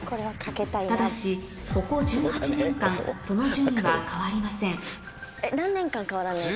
ただしここ１８年間その順位は変わりません何年間変わらない？